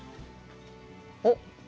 おっ。